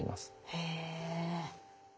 へえ。